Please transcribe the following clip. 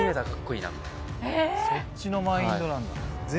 そっちのマインドなんだ。